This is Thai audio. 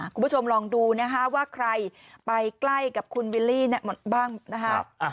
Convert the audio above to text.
คุณผู้ชมลองดูนะฮะว่าใครไปใกล้กับคุณวิลลี่บ้างนะคะ